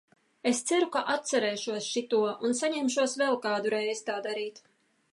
Es ceru, ka atcerēšos šito un saņemšos vēl kādu reizi tā darīt.